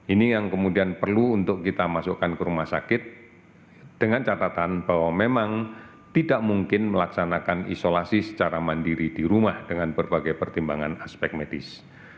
ini yang kemudian perlu untuk kita masukkan ke rumah sakit dengan catatan bahwa memang tidak mungkin melaksanakan isolasi secara mandiri di rumah dengan berbagai pertimbangan aspek medis